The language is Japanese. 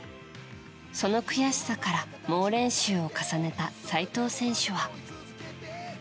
その悔しさから、猛練習を重ねた齋藤選手は。